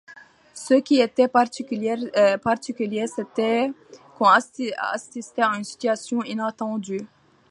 Ce qui était particulier, c’était qu’on assistait à une situation inattendue.